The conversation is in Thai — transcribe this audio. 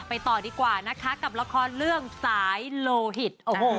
ต่อดีกว่านะคะกับละครเรื่องสายโลหิต